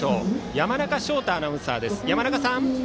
山中翔太アナウンサーです。